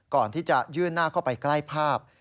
ก่อนที่จะยื่นหน้าเข้าไปใกล้ภาพ